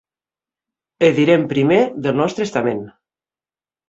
E direm primer del nostre estament.